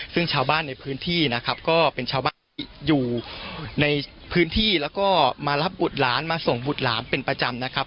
ซึ่งชาวบ้านในพื้นที่นะครับก็เป็นชาวบ้านอยู่ในพื้นที่แล้วก็มารับบุตรหลานมาส่งบุตรหลานเป็นประจำนะครับ